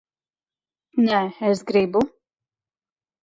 Nē, es gribu.